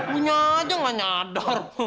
punya aja gak nyadar